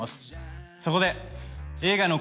そこで。